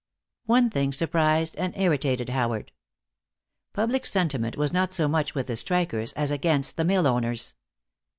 One thing surprised and irritated Howard. Public sentiment was not so much with the strikers, as against the mill owners.